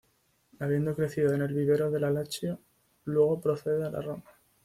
Habiendo crecido en el vivero de la Lazio, luego procede a la Roma.